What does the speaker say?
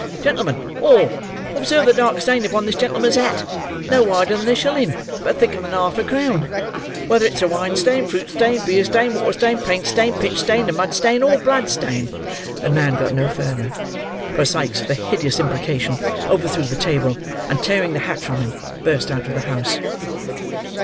Gentlemen all, observe the dark stain upon this gentleman's hat, no wider than a shilling, but thicker than a half crown. Whether it is a wine stain, fruit stain, beer stain, water stain, paint stain, pitch stain, mud stain, or blood stain—" The man got no further, for Sikes with a hideous imprecation overthrew the table, and tearing the hat from him, burst out of the house.